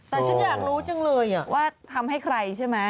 แต่ฉันอยากรู้จังเลยว่าทำให้ใครใช่ไหม